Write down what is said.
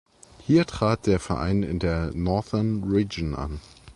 Hier trat der Verein in der Northern Region an.